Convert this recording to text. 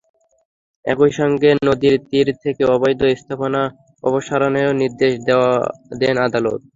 একই সঙ্গে নদীর তীর থেকে অবৈধ স্থাপনা অপসারণেও নির্দেশ দেন আদালত।